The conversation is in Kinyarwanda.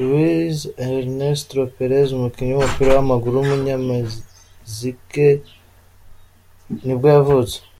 Luis Ernesto Pérez, umukinnyi w’umupira w’amaguru w’umunyamegizike nibwo yavutse.